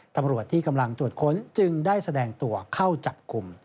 ตำรวจที่กำลังตรวจค้นจึงได้แสดงตัวเข้าจับกลุ่ม